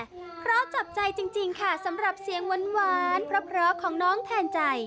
เพราะจับใจจริงค่ะสำหรับเสียงหวานเพราะของน้องแทนใจ